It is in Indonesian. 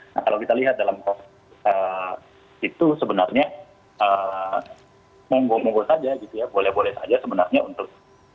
nah kalau kita lihat dalam konteks itu sebenarnya monggo monggo saja gitu ya boleh boleh saja sebenarnya untuk